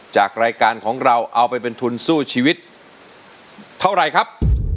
จากรายการของเราเอาไปเป็นทุนสู้ชีวิตเท่าไรครับ